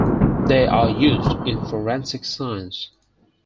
They are used in forensic science.